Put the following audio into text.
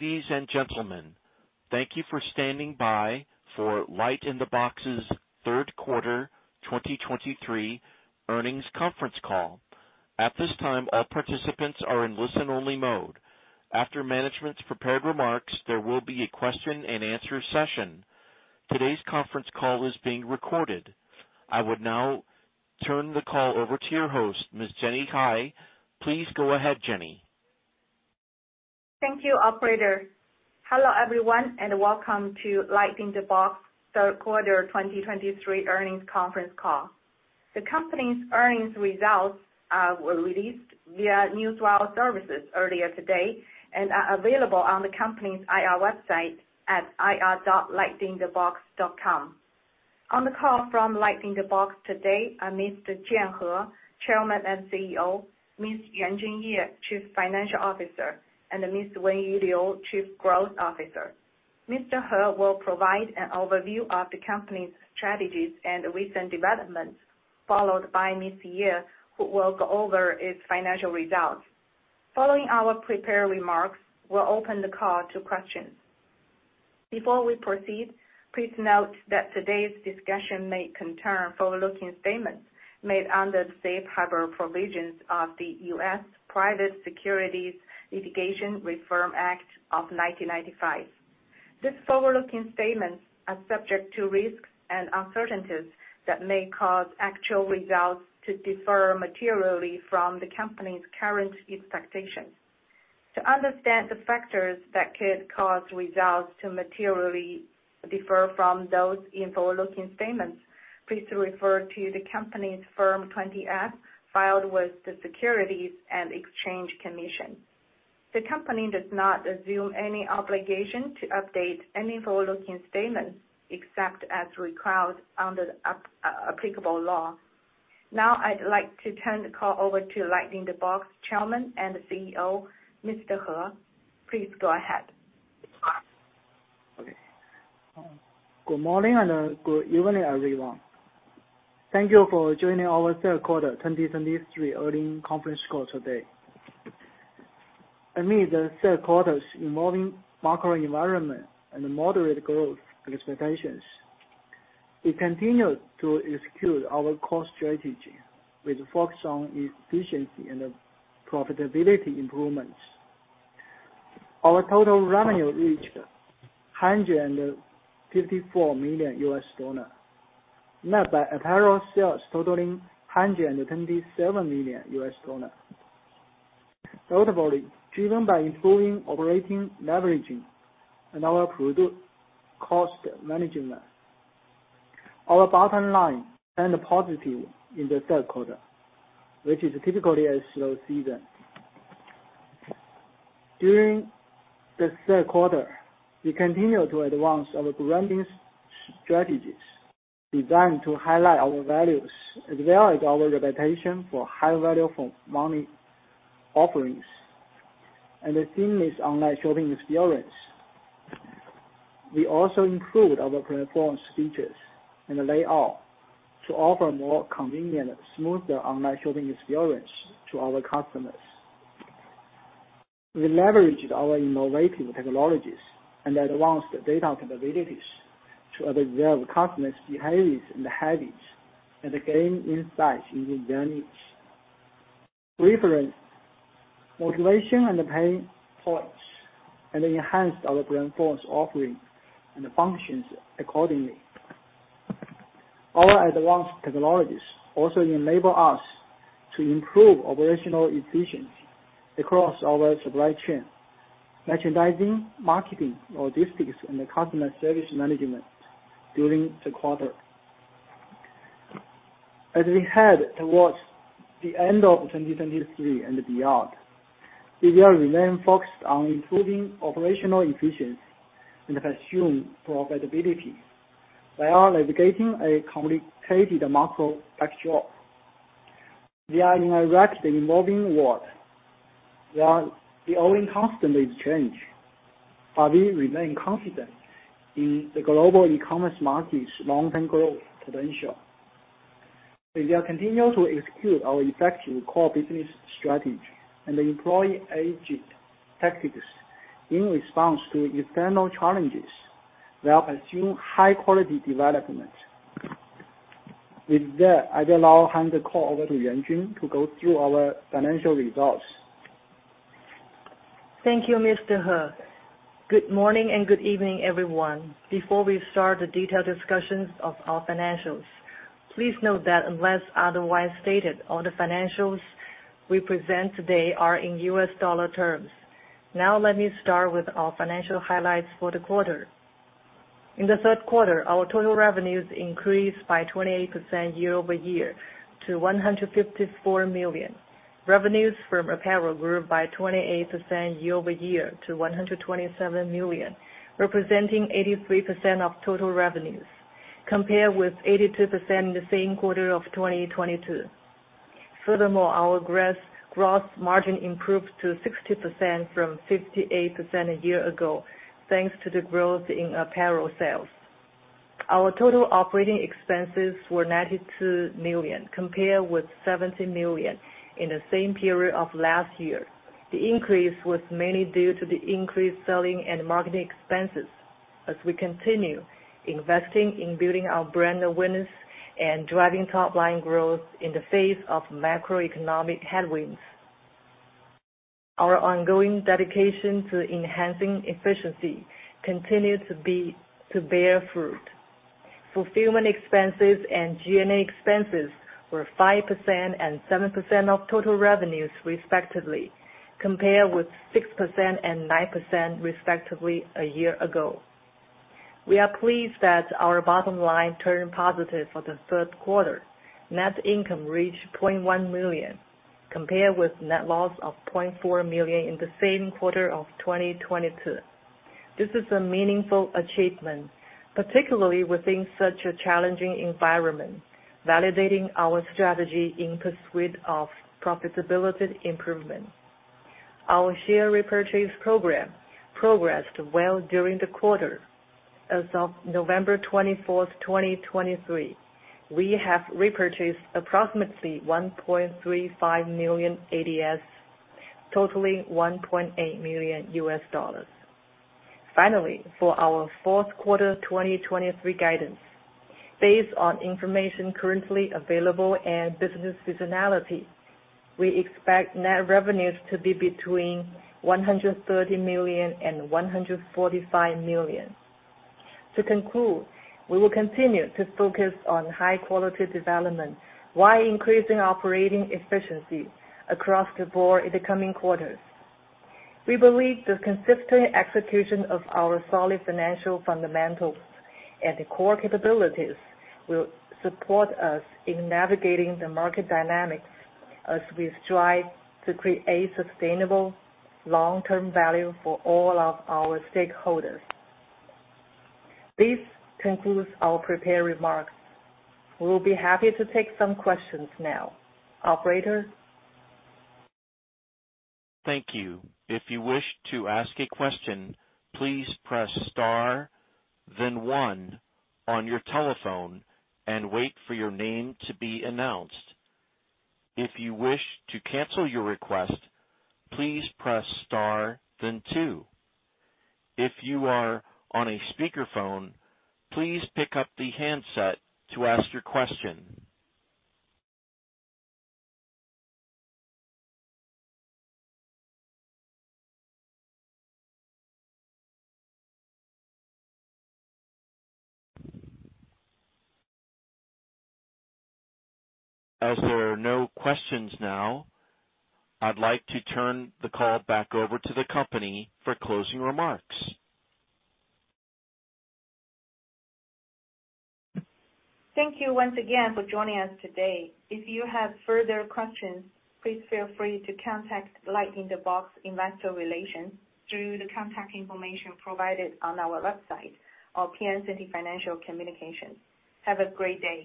Hello, ladies and gentlemen. Thank you for standing by for LightInTheBox's third quarter 2023 earnings conference call. At this time, all participants are in listen-only mode. After management's prepared remarks, there will be a question-and-answer session. Today's conference call is being recorded. I would now turn the call over to your host, Ms. Jenny Cai. Please go ahead, Jenny. Thank you, operator. Hello, everyone, and welcome to LightInTheBox third quarter 2023 earnings conference call. The company's earnings results were released via newswire services earlier today and are available on the company's IR website at ir.lightinthebox.com. On the call from LightInTheBox today are Mr. Jian He, Chairman and CEO; Ms. Yuanjun Ye, Chief Financial Officer; and Ms. Wenyu Liu, Chief Growth Officer. Mr. He will provide an overview of the company's strategies and recent developments, followed by Ms. Ye, who will go over its financial results. Following our prepared remarks, we'll open the call to questions. Before we proceed, please note that today's discussion may concern forward-looking statements made under the safe harbor provisions of the U.S. Private Securities Litigation Reform Act of 1995. These forward-looking statements are subject to risks and uncertainties that may cause actual results to differ materially from the company's current expectations. To understand the factors that could cause results to materially differ from those in forward-looking statements, please refer to the company's Form 20-F, filed with the Securities and Exchange Commission. The company does not assume any obligation to update any forward-looking statements, except as required under the applicable law. Now, I'd like to turn the call over to LightInTheBox Chairman and CEO, Mr. He. Please go ahead. Okay. Good morning and good evening, everyone. Thank you for joining our third quarter 2023 earnings conference call today. Amid the third quarter's evolving macro environment and moderate growth expectations, we continued to execute our core strategy with a focus on efficiency and profitability improvements. Our total revenue reached $154 million, led by apparel sales totaling $127 million. Notably, driven by improving operating leveraging and our product cost management, our bottom line ended positive in the third quarter, which is typically a slow season. During the third quarter, we continued to advance our branding strategies designed to highlight our values, as well as our reputation for high value for money offerings and a seamless online shopping experience. We also improved our platform's features and the layout to offer a more convenient, smoother online shopping experience to our customers. We leveraged our innovative technologies and advanced data capabilities to observe customers' behaviors and habits, and gain insights into their needs, preferences, motivation, and pain points, and enhanced our platform's offerings and functions accordingly. Our advanced technologies also enable us to improve operational efficiency across our supply chain, merchandising, marketing, logistics, and customer service management during the quarter. As we head towards the end of 2023 and beyond, we will remain focused on improving operational efficiency and pursue profitability while navigating a complicated macro picture. We are in a rapidly evolving world, where the only constant is change, but we remain confident in the global e-commerce market's long-term growth potential. We will continue to execute our effective core business strategy and employ agile tactics in response to external challenges, while pursuing high-quality development. With that, I will now hand the call over to Jenny to go through our financial results. Thank you, Mr. He. Good morning and good evening, everyone. Before we start the detailed discussions of our financials, please note that unless otherwise stated, all the financials we present today are in U.S. dollar terms. Now, let me start with our financial highlights for the quarter. In the third quarter, our total revenues increased by 28% year-over-year to $154 million. Revenues from apparel grew by 28% year-over-year to $127 million, representing 83% of total revenues, compared with 82% in the same quarter of 2022. Furthermore, our gross margin improved to 60% from 58% a year ago, thanks to the growth in apparel sales. Our total operating expenses were $92 million, compared with $17 million in the same period of last year. The increase was mainly due to the increased selling and marketing expenses as we continue investing in building our brand awareness and driving top line growth in the face of macroeconomic headwinds. Our ongoing dedication to enhancing efficiency continued to bear fruit. Fulfillment expenses and G&A expenses were 5% and 7% of total revenues, respectively, compared with 6% and 9%, respectively, a year ago. We are pleased that our bottom line turned positive for the third quarter. Net income reached $0.1 million, compared with net loss of $0.4 million in the same quarter of 2022. This is a meaningful achievement, particularly within such a challenging environment, validating our strategy in pursuit of profitability improvement. Our share repurchase program progressed well during the quarter. As of November 24, 2023, we have repurchased approximately 1.35 million ADS, totaling $1.8 million. Finally, for our fourth quarter 2023 guidance. Based on information currently available and business seasonality, we expect net revenues to be between $130 million and $145 million. To conclude, we will continue to focus on high quality development while increasing operating efficiency across the board in the coming quarters. We believe the consistent execution of our solid financial fundamentals and the core capabilities will support us in navigating the market dynamics as we strive to create a sustainable long-term value for all of our stakeholders. This concludes our prepared remarks. We will be happy to take some questions now. Operator? Thank you. If you wish to ask a question, please press star, then one on your telephone and wait for your name to be announced. If you wish to cancel your request, please press star, then two. If you are on a speakerphone, please pick up the handset to ask your question. As there are no questions now, I'd like to turn the call back over to the company for closing remarks. Thank you once again for joining us today. If you have further questions, please feel free to contact LightInTheBox Investor Relations through the contact information provided on our website or Piacente Financial Communications. Have a great day.